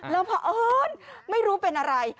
แล้วพอเอิ้นไม่รู้เป็นอะไร